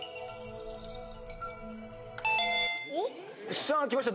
さあきました